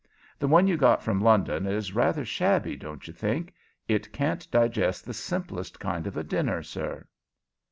The one you got from London is rather shabby, don't you think? It can't digest the simplest kind of a dinner, sir."